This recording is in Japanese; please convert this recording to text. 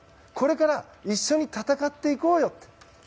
これから一緒に戦っていこうよと。